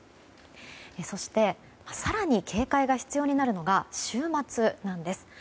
そして、更に警戒が必要になるのは週末なんです。